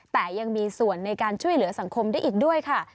แต่ยังมีส่วนในการช่วยเหลือสังคมได้อีกด้วยค่ะ